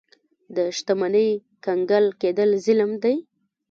د شتمنۍ کنګل کېدل ظلم دی.